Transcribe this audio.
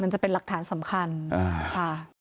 มันจะเป็นหลักฐานสำคัญค่ะ